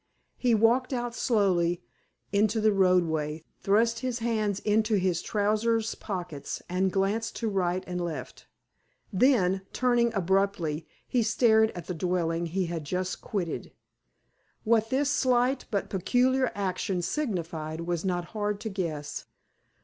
He walked out slowly into the roadway, thrust his hands into his trousers pockets, and glanced to right and left. Then, turning abruptly, he stared at the dwelling he had just quitted. What this slight but peculiar action signified was not hard to guess.